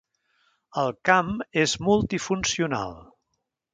El camp és multifuncional.